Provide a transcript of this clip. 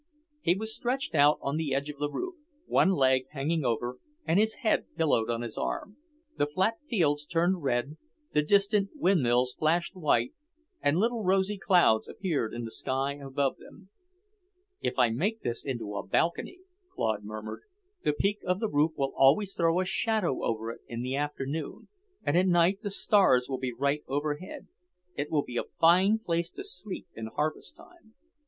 He was stretched out on the edge of the roof, one leg hanging over, and his head pillowed on his arm. The flat fields turned red, the distant windmills flashed white, and little rosy clouds appeared in the sky above them. "If I make this into a balcony," Claude murmured, "the peak of the roof will always throw a shadow over it in the afternoon, and at night the stars will be right overhead. It will be a fine place to sleep in harvest time."